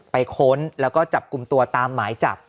ค้นแล้วก็จับกลุ่มตัวตามหมายจับ